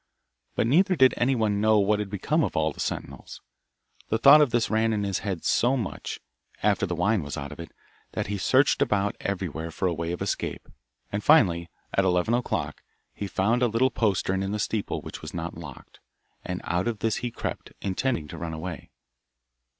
But neither did anyone know what had become of all the sentinels. The thought of this ran in his head so much, after the wine was out of it, that he searched about everywhere for a way of escape, and finally, at eleven o'clock, he found a little postern in the steeple which was not locked, and out at this he crept, intending to run away.